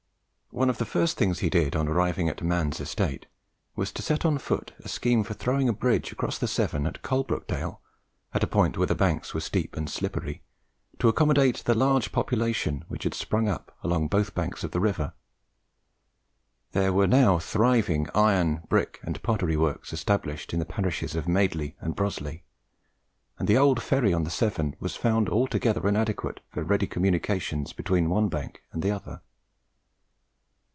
One of the first things he did on arriving at man's estate was to set on foot a scheme for throwing a bridge across the Severn at Coalbrookdale, at a point where the banks were steep and slippery, to accommodate the large population which had sprung up along both banks of the river. There were now thriving iron, brick, and pottery works established in the parishes of Madeley and Broseley; and the old ferry on the Severn was found altogether inadequate for ready communication between one bank and the other.